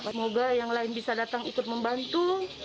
semoga yang lain bisa datang ikut membantu